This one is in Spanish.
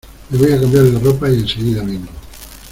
me voy a cambiar de ropa y enseguida vengo.